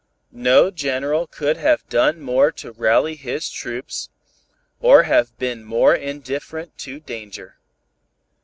No general could have done more to rally his troops, or have been more indifferent to danger.